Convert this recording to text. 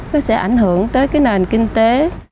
nó sẽ ảnh hưởng tới cái nền kinh tế